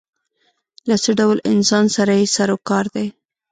له څه ډول انسان سره یې سر و کار دی.